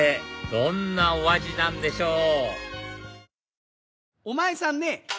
どんなお味なんでしょう？